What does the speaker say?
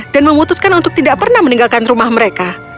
dan memutuskan untuk tidak pernah meninggalkan rumah mereka